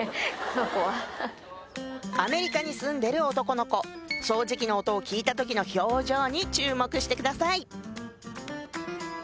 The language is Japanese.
この子はアメリカに住んでる男の子掃除機の音を聞いた時の表情に注目してください